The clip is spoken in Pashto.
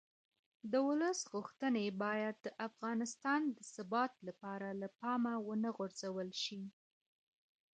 د ولس غوښتنې باید د افغانستان د ثبات لپاره له پامه ونه غورځول شي